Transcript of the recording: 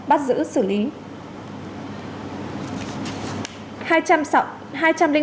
bắt giữ xử lý